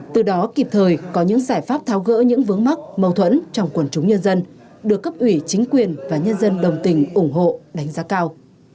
từ đó kịp thời có những giải pháp tháo gỡ những vướng mắc mâu thuẫn trong quần chúng nhân dân được cấp ủy chính quyền và nhân dân đồng tình ủng hộ đánh giá cao